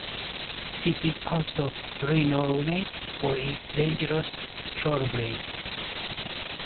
It is also renowned for its dangerous shorebreak.